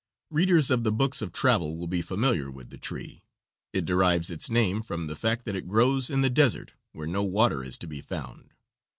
Readers of books of travel will be familiar with the tree, it derives its name from the fact that it grows in the desert where no water is to be found.